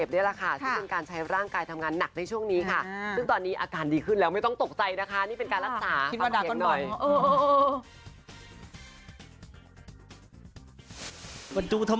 พอช่วงแถวคอลฉันคิดอีกว่า